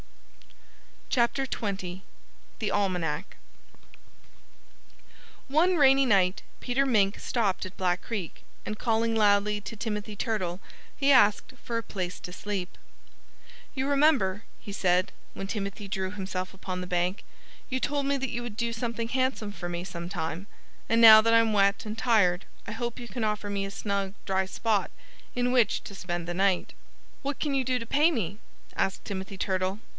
XX THE ALMANAC One rainy night Peter Mink stopped at Black Creek; and calling loudly to Timothy Turtle he asked for a place to sleep. "You remember," he said, when Timothy drew himself upon the bank, "you told me that you would do something handsome for me some time. And now that I'm wet and tired I hope you can offer me a snug, dry spot in which to spend the night." "What can you do to pay me?" asked Timothy Turtle.